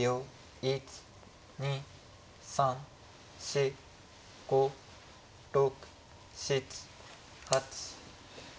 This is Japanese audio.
１２３４５６７８。